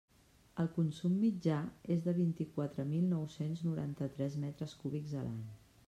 El consum mitjà és de vint-i-quatre mil nou-cents noranta-tres metres cúbics a l'any.